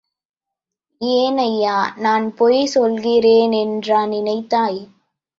ஏனய்யா, நான் பொய் சொல்கிறேனென்றா நினைத்தாய்?